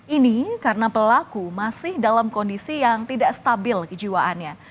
ini karena pelaku masih dalam kondisi yang tidak stabil kejiwaannya